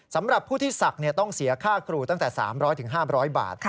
สำหรับผู้ที่ศักดิ์ต้องเสียค่าครูตั้งแต่๓๐๐๕๐๐บาท